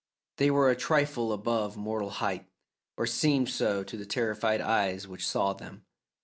They were a trifle above mortal height, or seemed so to the terrified eyes which saw them.